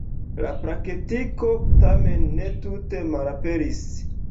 La praktiko, tamen, ne tute malaperis.